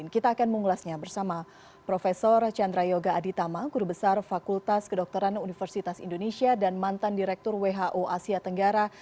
kita akan mengulasnya bersama prof chandra yoga aditama guru besar fakultas kedokteran universitas indonesia dan mantan direktur who asia tenggara